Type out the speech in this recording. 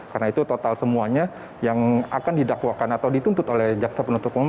karena itu total semuanya yang akan didakwakan atau dituntut oleh jakarta penuntut umum